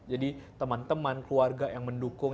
jadi teman teman keluarga yang mendukung